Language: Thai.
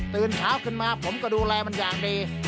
ตื่นเช้าขึ้นมาผมก็ดูแลมันอย่างดี